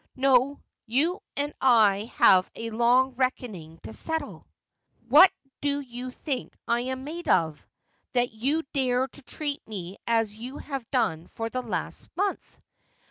' No ; you and I have a long reckoning to settle. What do you think I am made of, that you dare to treat me as you have done for the last month